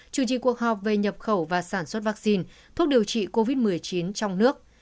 chủ trì cuộc họp về nhập khẩu và sản xuất vaccine thuốc điều trị covid một mươi chín trong nước